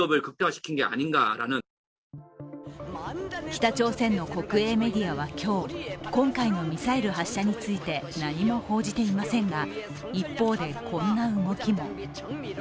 北朝鮮の国営メディアは今日、今回のミサイル発射について何も報じていませんが一方でこんな動きも。